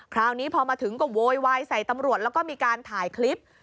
คราวนี้พอมาถึงก็โวยวายใส่ตำรวจแล้วก็มีการถ่ายคลิป